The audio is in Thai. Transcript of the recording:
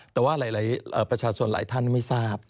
แต่ว่าหลายประชาชนหลายท่านไม่ทราบ